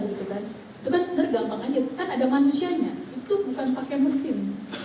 itu kan sebenarnya gampang aja kan ada manusianya itu bukan pakai mesin